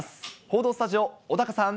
報道スタジオ、小高さん。